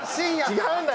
違うんだよ。